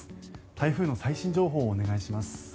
台風の最新情報をお願いします。